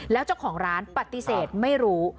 แล้วเจ้าของร้านปฏิเสธไม่รู้